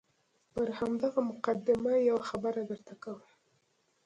پر همدغه مقدمه یوه خبره درته کوم.